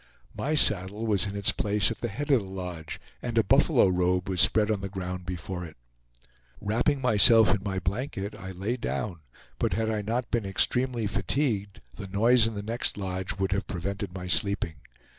My saddle was in its place at the head of the lodge and a buffalo robe was spread on the ground before it. Wrapping myself in my blanket I lay down, but had I not been extremely fatigued the noise in the next lodge would have prevented my sleeping.